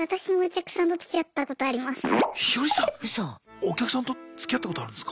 お客さんとつきあったことあるんですか？